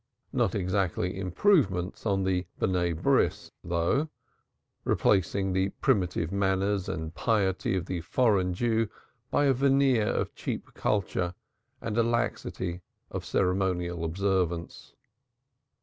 Not in every respect improvements on the "Sons of the Covenant," though; replacing the primitive manners and the piety of the foreign Jew by a veneer of cheap culture and a laxity of ceremonial observance.